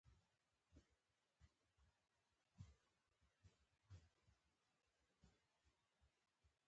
هغه شی چي د حکم موضوع وي.؟